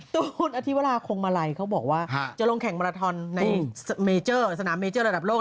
ตูนอธิวราคงมาลัยเขาบอกว่าจะลงแข่งมาลัทธรณ์ในสนามเมจอร์ระดับโลก